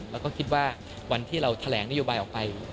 แล้วก็คิดว่าวันที่เราแถลงนโยบายออกไป